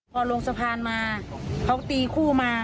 พอลงสะพานมาเขาตีคู่มา